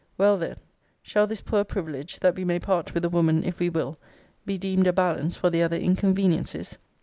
Well, then, shall this poor privilege, that we may part with a woman if we will, be deemed a balance for the other inconveniencies?